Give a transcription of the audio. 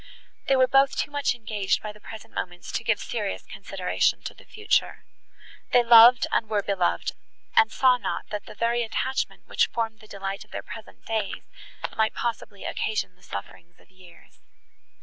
They were both too much engaged by the present moments to give serious consideration to the future. They loved and were beloved, and saw not, that the very attachment, which formed the delight of their present days, might possibly occasion the sufferings of years.